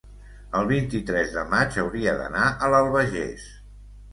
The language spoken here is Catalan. el vint-i-tres de maig hauria d'anar a l'Albagés.